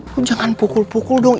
pun jangan pukul pukul dong